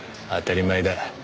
当たり前だ。